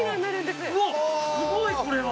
すごいこれは！